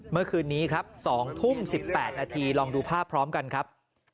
เมื่อคืนนี้ครับ๒ทุ่ม๑๘นาทีลองดูภาพพร้อมกันครับ